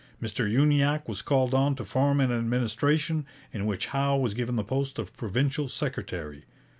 Mr Uniacke was called on to form an administration, in which Howe was given the post of provincial secretary.